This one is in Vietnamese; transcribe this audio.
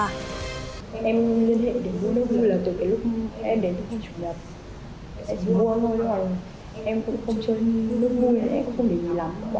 em cũng không chơi nước vui nữa em cũng không để gì lắm